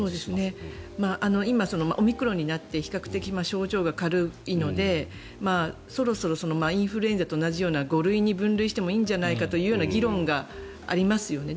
今、オミクロンになって比較的症状が軽いのでそろそろインフルエンザと同じような５類に分類してもいいんじゃないかという議論がありますよね。